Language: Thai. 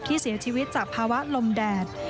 ที่เสียชีวิตจากภาวะลมแดด